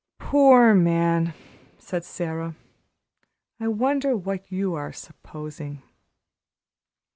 "Poor man!" said Sara; "I wonder what you are `supposing'?"